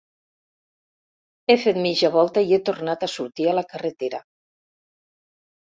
He fet mitja volta i he tornat a sortir a la carretera.